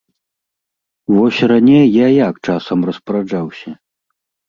Вось раней я як часам распараджаўся?